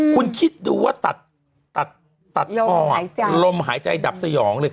คุณคิดดูว่าตัดคอลมหายใจดับสยองเลย